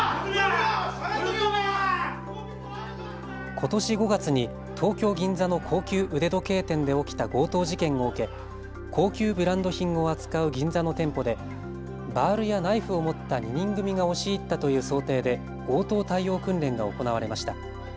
ことし５月に東京銀座の高級腕時計店で起きた強盗事件を受け高級ブランド品を扱う銀座の店舗でバールやナイフを持った２人組が押し入ったという想定で強盗対応訓練が行われました。